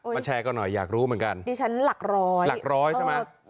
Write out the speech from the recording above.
มาแชร์กันหน่อยอยากรู้เหมือนกันดิฉันหลักร้อยหลักร้อยใช่ไหม